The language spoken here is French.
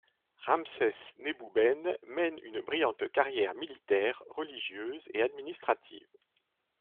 Ramsès-Nebouben mène une brillante carrière militaire, religieuse et administrative.